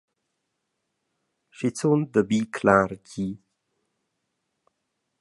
Schizun da bi clar di.